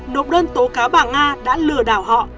nộp đơn tố cáo bà nga đã lừa đảo họ